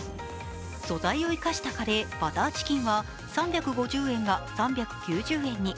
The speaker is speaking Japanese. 素材を生かしたカレーバターチキンは３５０円が３９０円に。